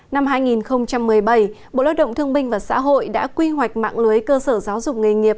năm hai nghìn một mươi bảy bộ lao động thương minh và xã hội đã quy hoạch mạng lưới cơ sở giáo dục nghề nghiệp